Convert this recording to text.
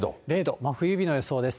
真冬日の予想です。